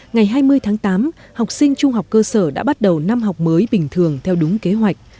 ngày hai mươi tháng tám học sinh trung học cơ sở đã bắt đầu năm học mới bình thường theo đúng kế hoạch